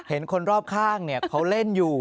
เห็นคนรอบข้างเขาเล่นอยู่